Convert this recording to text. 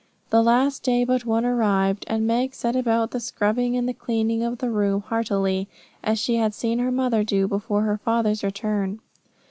The last day but one arrived, and Meg set about the scrubbing and the cleaning of the room heartily, as she had seen her mother do before her father's return.